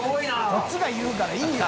こっちが言うからいいよ！